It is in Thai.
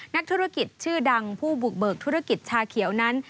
นักธุรกิจชื่อดังผู้บุกเบิกธุรกิจชาเขียวนั้น